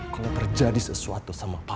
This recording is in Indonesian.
kalau terjadi sesuatu sama pak